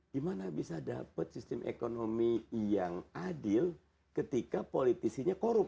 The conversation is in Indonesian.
gimana bisa dapat sistem ekonomi yang adil ketika politisinya korup